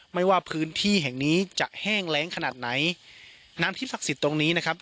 ไม่ว่าพื้นที่แห่งนี้จะแห้งแรงขนาดไหนน้ำที่ศักดิ์สิทธิ์ตรงนี้นะครับ